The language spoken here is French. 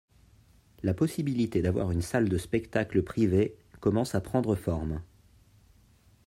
La possibilité d'avoir une salle de spectacle privée commence à prendre forme.